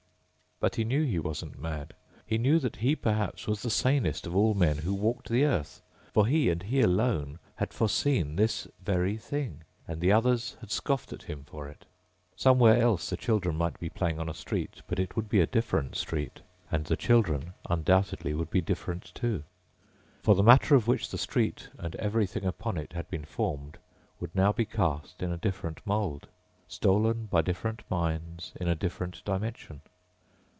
But he knew he wasn't mad. He knew that he perhaps was the sanest of all men who walked the earth. For he, and he alone, had foreseen this very thing. And the others had scoffed at him for it. Somewhere else the children might be playing on a street. But it would be a different street. And the children undoubtedly would be different too. For the matter of which the street and everything upon it had been formed would now be cast in a different mold, stolen by different minds in a different dimension.